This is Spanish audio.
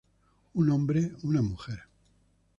Un hombre, una mujer.